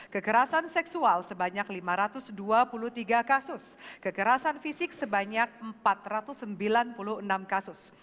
kekerasan seksual sebanyak lima ratus dua puluh tiga kasus kekerasan fisik sebanyak empat ratus sembilan puluh enam kasus